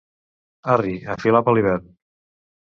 Arri, a filar per l'hivern.